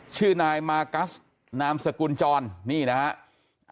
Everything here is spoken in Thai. ชื่อนายมากัสนามสกุลจรนี่นะครับ